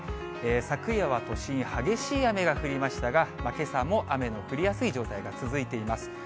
昨夜は都心、激しい雨が降りましたが、けさも雨の降りやすい状態が続いています。